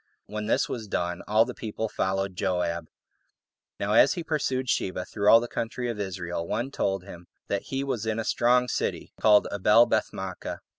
When this was done, all the people followed Joab. Now as he pursued Sheba through all the country of Israel, one told him that he was in a strong city, called Abelbeth maachah.